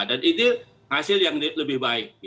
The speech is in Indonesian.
dan itu hasil yang lebih baik